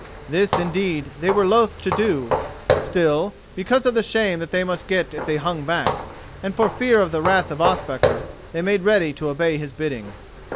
This, indeed, they were loth to do; still, because of the shame that they must get if they hung back, and for fear of the wrath of Ospakar, they made ready to obey his bidding.